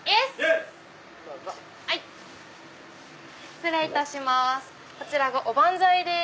失礼いたします